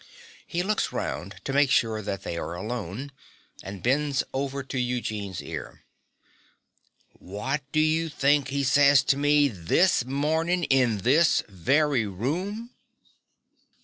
(He looks round to make sure that they are alone, and bends over to Eugene's ear.) Wot do you think he says to me this mornin' in this very room?